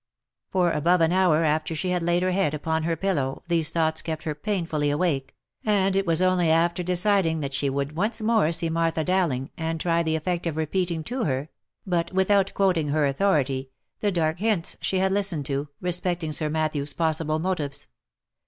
For above an hour after she had laid her head upon her pillow these thoughts kept her painfully awake, and it was only after deciding that she would once more see Martha Dowling, and try the effect of repeating to her, but without quoting her authority, the dark hints she had listened to, respecting Sir Matthew's possible motives.